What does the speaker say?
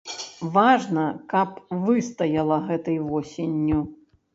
Важна, каб выстаяла гэтай восенню.